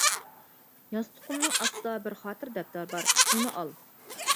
-ياستۇقۇمنىڭ ئاستىدا بىر خاتىرە دەپتەر بار، ئۇنى ئال.